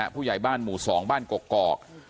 ผู้ใหญ่บ้านหมู่๒บ้านกกอก